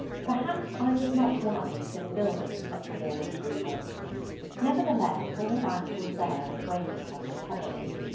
Perhaps I was not wise in building such a wall of scruples. Nevertheless, all that was there, and weighed upon me heavily.